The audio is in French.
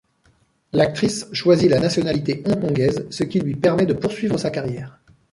L'actrice choisit la nationalité hongkongaise, ce qui lui permet de poursuivre sa carrière.